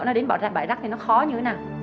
nó đến bỏ ra bãi rác thì nó khó như thế nào